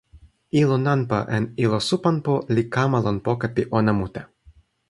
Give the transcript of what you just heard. ilo nanpa en ilo Supanpo li kama lon poka pi ona mute.